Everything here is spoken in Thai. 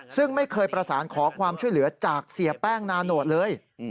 ซึ่งไม่เคยประสานขอความช่วยเหลือจากเสียแป้งนาโนตเลย